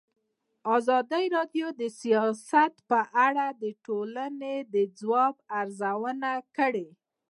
ازادي راډیو د سیاست په اړه د ټولنې د ځواب ارزونه کړې.